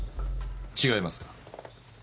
違いますか？